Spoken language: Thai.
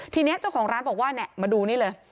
ทีนี้เจ้าของร้านบอกว่าเนี่ยมาดูนี่เลย